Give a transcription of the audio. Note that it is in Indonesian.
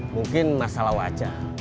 mungkin masalah wajah